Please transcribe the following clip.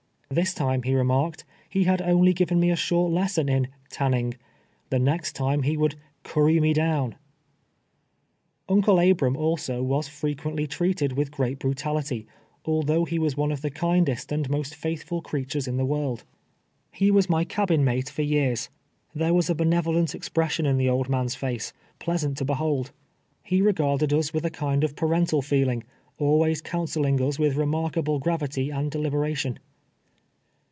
This time, he remarked, he had only given me a short lesson in " tayiniug "— the next time he would " curry me down." I'ncle Abrani, also, was frequently treated with great brutality, although he was one of the kindest and most faithful creatures in the world, lie was my STABBING OF UNCLE ABKAil. 253 cabin niatc for years. Tlicre was a benevolent ex pression in the old man's face, pleasant to behold. lie rei^arded us with a kind of parental feeling, always counseling us with remarkable gravity and delibe ration.